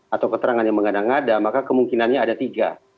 atau keterangan yang mengada ngada maka kemungkinannya ada tiga